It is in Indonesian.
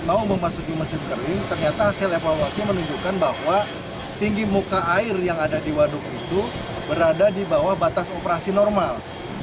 mau memasuki mesin kering ternyata hasil evaluasi menunjukkan bahwa tinggi muka air yang ada di waduk itu berada di bawah batas operasi normal